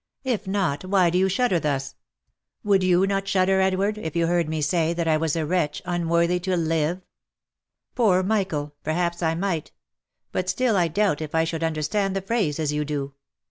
If not, why do you shudder thus?" 384 THE LIFE AND ADVENTURES " Would you not shudder, Edward, if you heard me say, that I was a wretch unworthy to live ?"" Poor Michael ! perhaps I might ; but still I doubt if I should understand the phrase as you do.